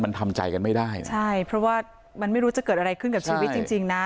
มันทำใจกันไม่ได้นะใช่เพราะว่ามันไม่รู้จะเกิดอะไรขึ้นกับชีวิตจริงจริงนะ